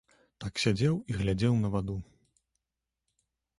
Так сядзеў і глядзеў на ваду.